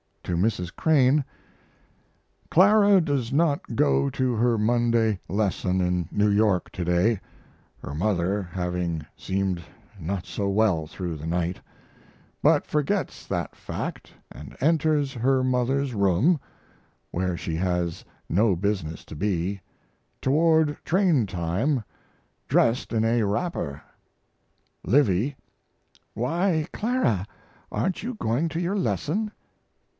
To Mrs. Crane: Clara does not go to her Monday lesson in New York today [her mother having seemed not so well through the night], but forgets that fact and enters her mother's room (where she has no business to be) toward train time dressed in a wrapper. LIVY. Why, Clara, aren't you going to your lesson?